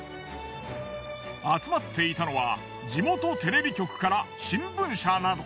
集まっていたのは地元テレビ局から新聞社など。